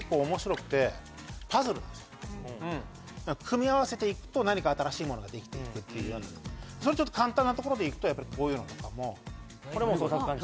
なるほどね組み合わせていくと何か新しいものができていくっていうそれちょっと簡単なところでいくとやっぱりこういうのとかもこれも創作漢字？